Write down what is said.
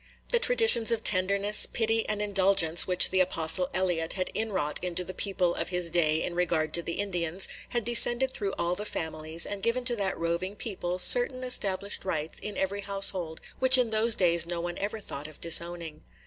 The traditions of tenderness, pity, and indulgence which the apostle Eliot had inwrought into the people of his day in regard to the Indians, had descended through all the families, and given to that roving people certain established rights in every house hold, which in those days no one ever thought of disowning.